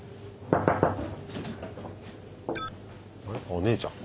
お姉ちゃん。